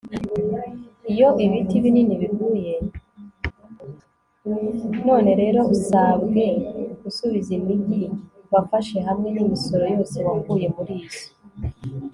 none rero, usabwe gusubiza imigi wafashe hamwe n'imisoro yose wakuye muri izo